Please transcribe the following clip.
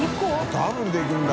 ダブルでいくんだ。